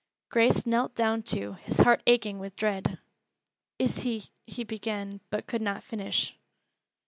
Grace knelt down too, his heart aching with dread. "Is he " he began, but could not finish.